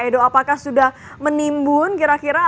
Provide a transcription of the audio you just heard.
edo apakah sudah menimbun kira kira